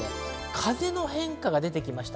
風の変化が出てきました。